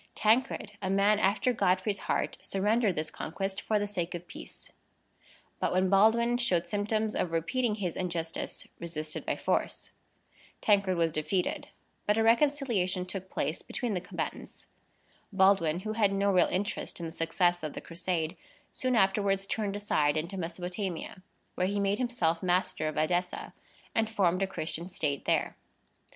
Tancred, a man after Godfrey's heart, surrendered this conquest for the sake of peace; but, when Baldwin showed symptoms of repeating his injustice, resisted by force. Tancred was defeated, but a reconciliation took place between the combatants. Baldwin, who had no real interest in the success of the Crusade, soon afterwards turned aside into Mesopotamia, where he made himself master of Edessa, and formed a Christian state there.